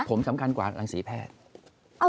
ผมสำคัญกว่ารังสีแพทย์